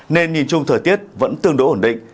nên nhìn chung thời tiết vẫn tương đối ổn định